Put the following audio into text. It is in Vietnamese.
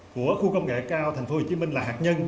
của khu công nghệ cao thành phố hồ chí minh là hạt nhân